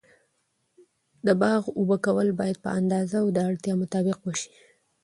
د باغ اوبه کول باید په اندازه او د اړتیا مطابق و سي.